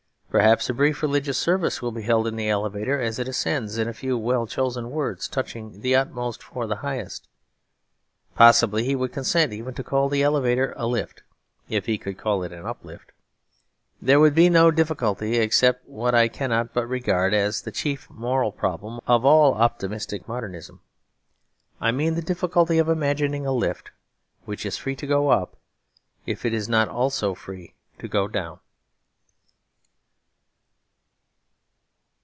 Perhaps a brief religious service will be held in the elevator as it ascends; in a few well chosen words touching the Utmost for the Highest. Possibly he would consent even to call the elevator a lift, if he could call it an uplift. There would be no difficulty, except what I cannot but regard as the chief moral problem of all optimistic modernism. I mean the difficulty of imagining a lift which is free to go up, if it is not also free to go down.